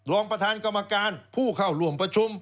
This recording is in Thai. รองประธานกรรมการผู้เข้าร่วมประชุม